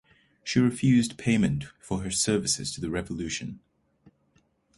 She refused payment for her services to the revolution.